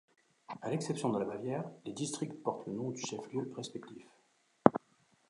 À l'exception de la Bavière, les districts portent le nom du chef-lieu respectif.